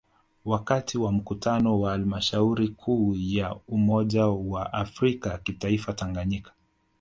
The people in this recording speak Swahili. Wakati wa Mkutano wa Halmashauri Kuu ya umoja wa afrika kitaifa Tanganyika